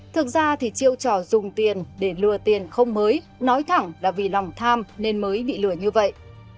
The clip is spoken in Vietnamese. thực ra thì chiêu trò dùng tiền để lừa tiền không mới nói thẳng là vì lòng tham nên mới bị lừa như vậy